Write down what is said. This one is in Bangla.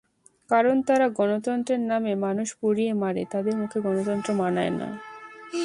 কারণ যারা গণতন্ত্রের নামে মানুষ পুড়িয়ে মারে তাদের মুখে গণতন্ত্র মানায় না।